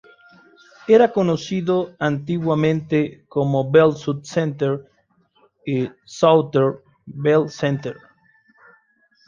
Era conocido antiguamente como BellSouth Center y Southern Bell Center.